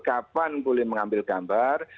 kapan boleh mengambil gambar